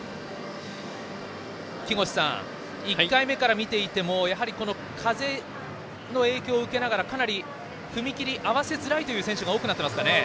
木越さん、１回目から見ていても風の影響を受けながらかなり踏み切りを合わせづらい選手が多くなっていますかね？